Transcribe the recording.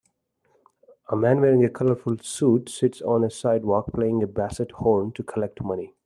A man wearing a colorful suit sits on a sidewalk playing a basset horn to collect money.